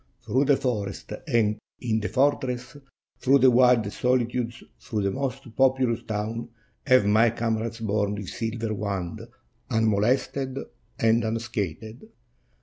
"Through the forest and in the fortress, through the wildest soHtudes, through the most populous towns, have my comrades borne this silver wand unmolested and unscathed.